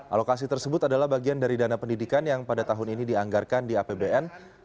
alokasi tersebut adalah bagian dari dana pendidikan yang pada tahun ini dianggarkan di apbn